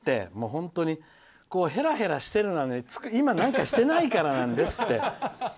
本当に、へらへらしてるのは今何かしてないからなんですって。